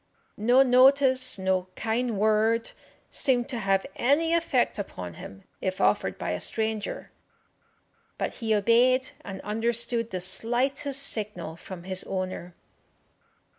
No notice, no kind word, seemed to have any effect upon him if offered by a stranger, but he obeyed and understood the slightest signal from his owner.